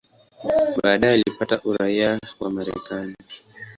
Baadaye alipata uraia wa Marekani.